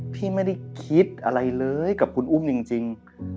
พี่ไม่ได้คิดอะไรเลยกับคุณอุ้มจริง